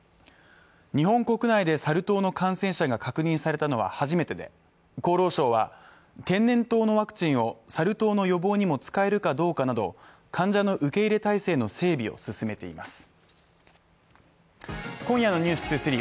日本国内でサル痘の感染者が確認されたのは初めてで厚労省は天然痘のワクチンをサル痘の予防にも使えるかどうかなど患者の受け入れ体制の整備を進めています。